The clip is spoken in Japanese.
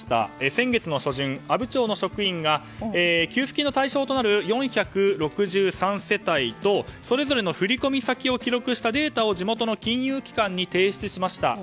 先月の初旬、阿武町の職員が給付金の対象となる４６３世帯とそれぞれの振り込み先を記録したデータを地元の金融機関に提出しました。